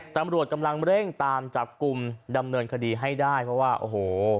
ตำรวจกำลังเร่งตามจับกลุ่มดำเนินคดีให้ได้เพราะว่าโอ้โห